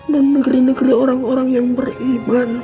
dan negeri negeri orang orang yang beriman